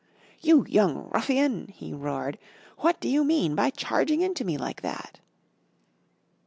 "You young ruffian," he roared, "what do you mean by charging into me like that?"